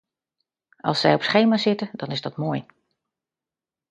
Als zij op schema zitten, dan is dat mooi.